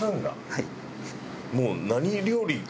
はい。